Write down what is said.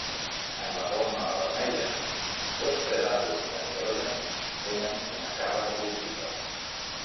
En la forma vermella, tots tres àtoms de nitrogen tenen una càrrega positiva.